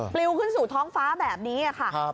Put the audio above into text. ลิวขึ้นสู่ท้องฟ้าแบบนี้ค่ะ